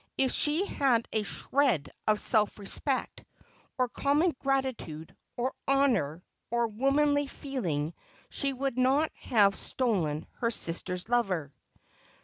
If she had a shred of self respect, or common gratitude, or honour, or womanly feeling, she would not have stolen her sister's lover.'